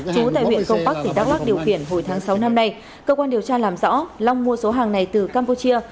đắk lắc điều khiển hồi tháng sáu năm nay cơ quan điều tra làm rõ long mua số hàng này từ campuchia